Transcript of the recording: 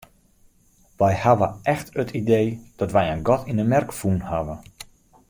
Wy hawwe echt it idee dat wy in gat yn 'e merk fûn hawwe.